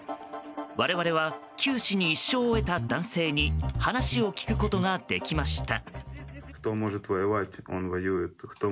我々は九死に一生を得た男性に話を聞くことができました。